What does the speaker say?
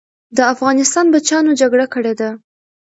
د افغانستان بچیانو جګړه کړې ده.